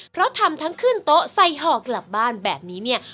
เพราะทำทั้งขึ้นโต๊ะใส่ห่อกลับบ้านแบบนี้เนี่ย